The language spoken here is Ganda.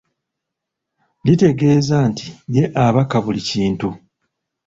Litegeeza nti ye abaka buli kintu.